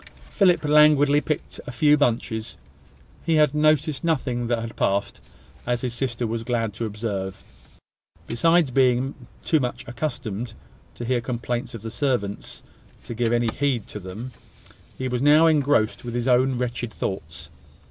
Philip languidly picked a few bunches. He had noticed nothing that had passed, as his sister was glad to observe. Besides being too much accustomed, to hear complaints of the servants to give any heed to them, he was now engrossed with his own wretched thoughts.